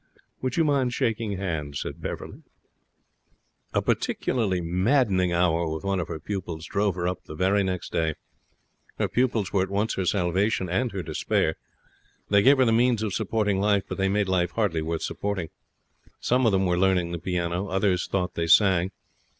'Would you mind shaking hands?' said Beverley. A particularly maddening hour with one of her pupils drove her up the very next day. Her pupils were at once her salvation and her despair. They gave her the means of supporting life, but they made life hardly worth supporting. Some of them were learning the piano. Others thought they sang.